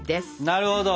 なるほど。